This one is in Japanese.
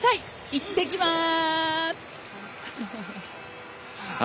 いってきます！